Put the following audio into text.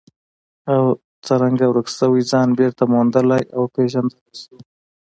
او څرنګه ورک شوی ځان بېرته موندلی او پېژندلی شو.